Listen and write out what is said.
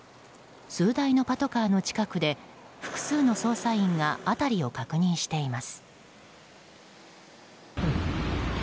数台のパトカーの近くで複数の捜査員が辺りを確認しています。